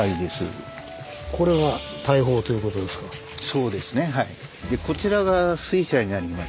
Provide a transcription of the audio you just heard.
そうですねはい。